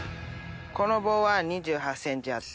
この棒は２８ｃｍあって。